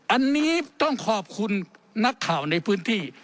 อันนี้ต้องขอบคุณนักข่าวในพื้นที่